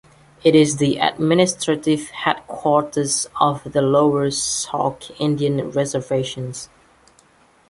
It is the administrative headquarters of the Lower Sioux Indian Reservation.